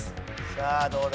さあどうだ？